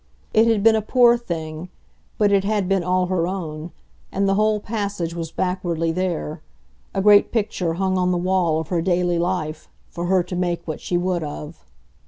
It had been a poor thing, but it had been all her own, and the whole passage was backwardly there, a great picture hung on the wall of her daily life, for her to make what she would of.